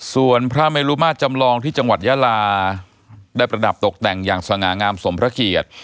ส่วนพระเมลุมาตรจำลองที่จังหวัดยาลาได้ประดับตกแต่งอย่างสง่างามสมพระเกียรติ